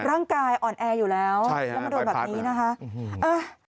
ร่างกายอ่อนแอร์อยู่แล้วว่ามันโดนแบบนี้นะฮะเออ